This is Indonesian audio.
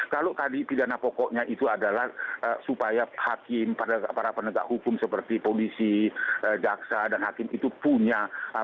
kalau tadi pidana pokoknya itu adalah supaya hakim para penegak hukum seperti polisi jaksa dan hakim itu punya